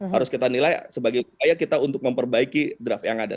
harus kita nilai sebagai upaya kita untuk memperbaiki draft yang ada